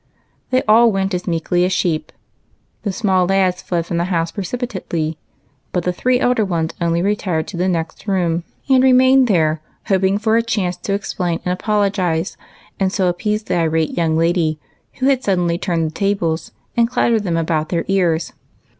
They all went as meekly as sheep ; the small lads fled from the house precipitately, but the three elder ones only retired to the next room, and remained there hojDing for a chance to exj^lain and apologize, and so appease the irate young lady, who had suddenly turned the tables and clattered them about their ears.